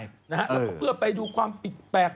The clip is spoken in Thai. แล้วก็เพื่อไปดูความปิดแปลก